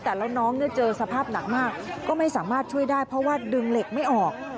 แต่แล้วน้องเนี่ยเจอสภาพหนักมากก็ไม่สามารถช่วยได้เพราะว่าดึงเหล็กไม่ออก